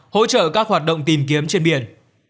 hỗ trợ các hoạt động tìm kiếm trên biển